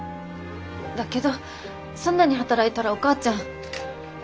だけどそんなに働いたらお母ちゃん。